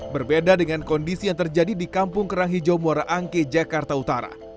berbeda dengan kondisi yang terjadi di kampung kerang hijau muara angke jakarta utara